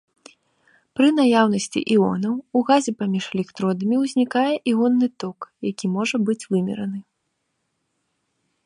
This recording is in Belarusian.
Пры наяўнасці іонаў у газе паміж электродамі ўзнікае іонны ток, які можа быць вымераны.